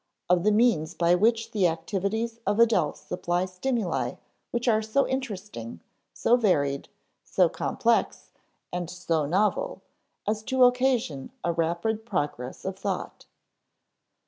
47) of the means by which the activities of adults supply stimuli which are so interesting, so varied, so complex, and so novel, as to occasion a rapid progress of thought.